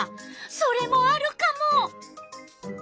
それもあるカモ。